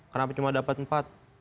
kenapa cuma dapat empat